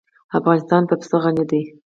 افغانستان په پسه غني دی.